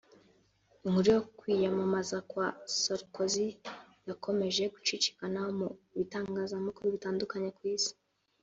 Inkuru yo kwiyamamaza kwa Sarkozy yakomeje gucicikana mu bitangazamakuru bitandukanye ku Isi